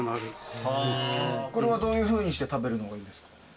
これはどういうふうにして食べるのがいいんですか？